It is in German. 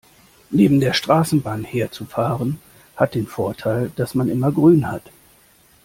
Neben der Straßenbahn herzufahren, hat den Vorteil, dass man immer grün hat.